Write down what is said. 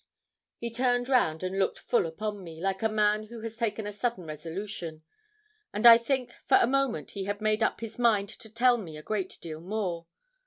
He turned round and looked full upon me, like a man who has taken a sudden resolution; and I think for a moment he had made up his mind to tell me a great deal more.